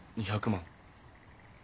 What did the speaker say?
２００万！？